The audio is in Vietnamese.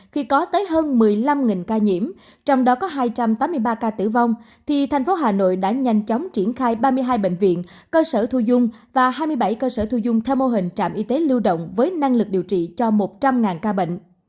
khi có tới hơn một mươi năm ca nhiễm trong đó có hai trăm tám mươi ba ca tử vong thì thành phố hà nội đã nhanh chóng triển khai ba mươi hai bệnh viện cơ sở thu dung và hai mươi bảy cơ sở thu dung theo mô hình trạm y tế lưu động với năng lực điều trị cho một trăm linh ca bệnh